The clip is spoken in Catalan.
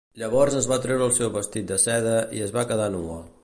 Llavors es va treure el seu vestit de seda i es va quedar nua.